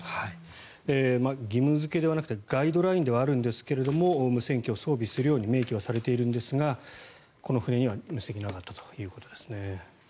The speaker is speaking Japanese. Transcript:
義務付けではなくてガイドラインではあるんですが無線機を装備するように明記はされているんですがこの船には乗せていなかったということですね。